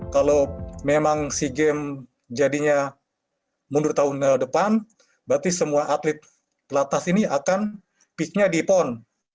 kalau memang sea games jadinya mundur tahun depan berarti semua atlet pelatas ini akan peaknya di pon